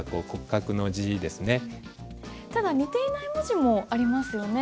ただ似ていない文字もありますよね。